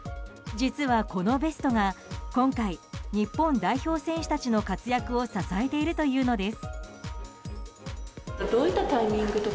実はこのベストが今回、日本代表選手たちの活躍を支えているというのです。